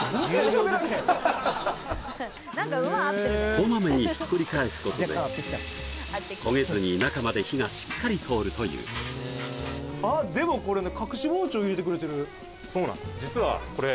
小まめにひっくり返すことで焦げずに中まで火がしっかり通るというあっでもこれねえっ！